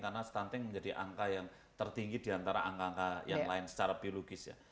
karena stunting menjadi angka yang tertinggi diantara angka angka yang lain secara biologis ya